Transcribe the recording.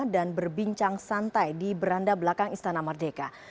dan berbincang santai di beranda belakang istana merdeka